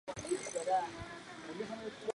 多变量正态分布亦称为多变量高斯分布。